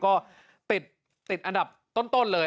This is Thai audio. ก็ติดอันดับต้นเลย